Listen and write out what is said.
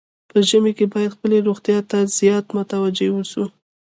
په ژمي کې باید خپلې روغتیا ته زیات متوجه وو.